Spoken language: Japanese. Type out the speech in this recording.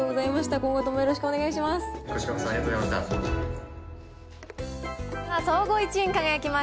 今後ともよろしくお願いいたします。